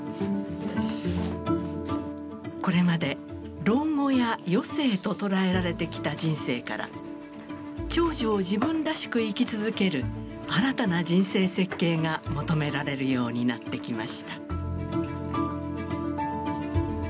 これまで老後や余生と捉えられてきた人生から長寿を自分らしく生き続ける新たな人生設計が求められるようになってきました。